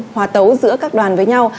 hòa tấu giữa các đoàn với nhau